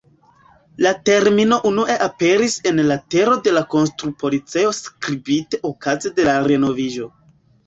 La termino unue aperis en letero de la konstrupolicejo skribite okaze de la renoviĝo.